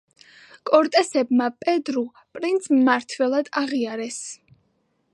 კორტესებმა პედრუ პრინც მმართველად აღიარეს.